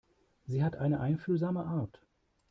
Sie hat eine einfühlsame Art.